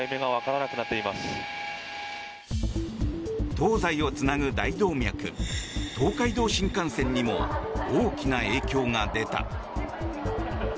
東西をつなぐ大動脈東海道新幹線にも大きな影響が出た。